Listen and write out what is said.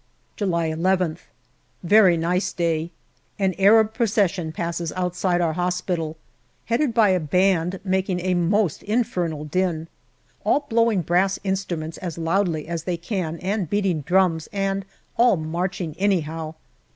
July llth. Very nice day. An Arab procession passes outside our hospital, headed by a band making a most infernal din. All blowing brass instruments as loudly as they can and beating drums, and all marching anyhow.